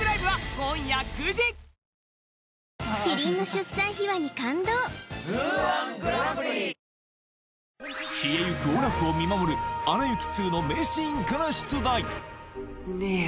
消えゆくオラフを見守る「アナ雪２」の名シーンから出題ねえ